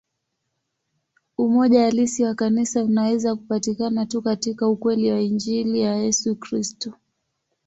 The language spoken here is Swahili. Umoja halisi wa Kanisa unaweza kupatikana tu katika ukweli wa Injili ya Yesu Kristo.